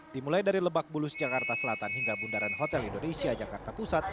dimulai dari lebak bulus jakarta selatan hingga bundaran hotel indonesia jakarta pusat